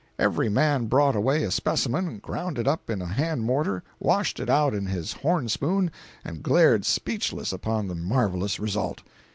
Every man brought away a specimen, ground it up in a hand mortar, washed it out in his horn spoon, and glared speechless upon the marvelous result.